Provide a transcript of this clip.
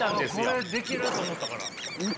これできると思ったから。